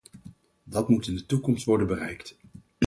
Dat moet in de toekomst worden bereikt.